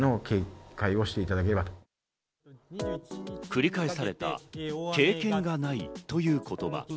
繰り返された経験がないという言葉。